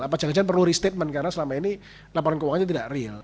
apa jangan jangan perlu restatement karena selama ini laporan keuangannya tidak real